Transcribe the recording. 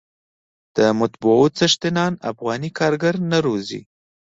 د مطبعو څښتنان افغاني کارګر نه روزي.